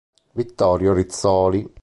Vittorio Rizzoli.